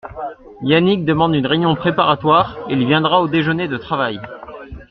Yannig demande une réunion préparatoire et il viendra au déjeuner de travail.